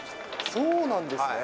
そうなんですね。